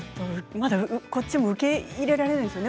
まだこちらも受け入れられないですよね